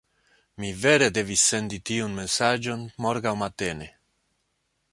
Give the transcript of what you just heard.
Mi vere devis sendi tiun mesaĝon morgaŭ matene.